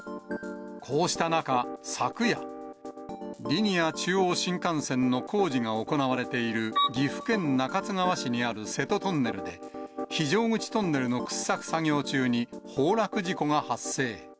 こうした中、昨夜、リニア中央新幹線の工事が行われている、岐阜県中津川市にある瀬戸トンネルで、非常口トンネルの掘削作業中に崩落事故が発生。